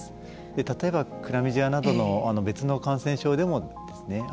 例えば、クラミジアなどの別の感染症でもですね